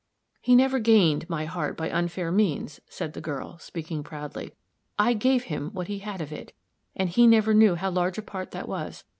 "He never 'gained' my heart by unfair means," said the girl, speaking proudly. "I gave him what he had of it and he never knew how large a part that was.